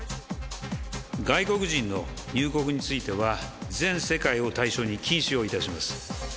外国人の入国については、全世界を対象に禁止をいたします。